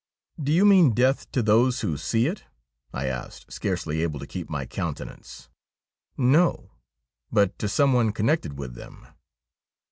' Do you mean death to those who see it ?' I asked, scarcely able to keep my countenance. ' No ; but to some one connected with them.'